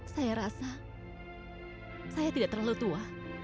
saya rasa saya tidak terlalu tua